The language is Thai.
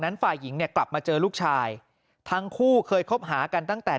ฝ่ายหญิงเนี่ยกลับมาเจอลูกชายทั้งคู่เคยคบหากันตั้งแต่